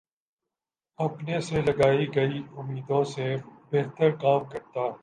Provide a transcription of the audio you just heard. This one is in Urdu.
اپنے سے لگائی گئی امیدوں سے بہترکام کرتا ہوں